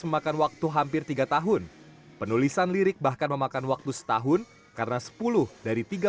memakan waktu hampir tiga tahun penulisan lirik bahkan memakan waktu setahun karena sepuluh dari tiga